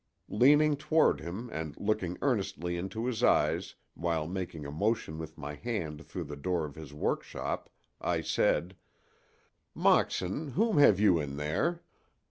Leaning toward him and looking earnestly into his eyes while making a motion with my hand through the door of his workshop, I said: "Moxon, whom have you in there?"